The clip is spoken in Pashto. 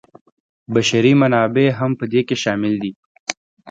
بشري منابع هم په دې کې شامل دي.